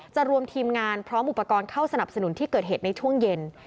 รวมทีมงานพร้อมอุปกรณ์เข้าสนับสนุนที่เกิดเหตุในช่วงเย็น